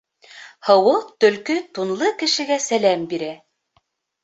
Һыуыҡ төлкө тунлы кешегә сәләм бирә